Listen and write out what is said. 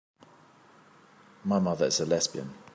My mother is a lesbian.